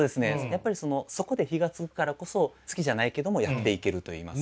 やっぱりそこで火がつくからこそ好きじゃないけどもやっていけるといいますか。